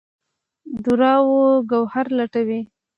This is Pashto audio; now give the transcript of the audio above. دُراو ګوهر لټوي